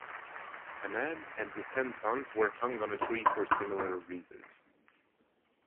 Haman and his ten sons were hung on a tree for similar reasons.